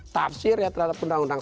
tafsir ya terhadap undang undang